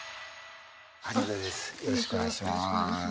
よろしくお願いします。